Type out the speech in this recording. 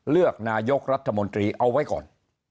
เลือกนายกรัฐมนตรีเอาไว้ก่อน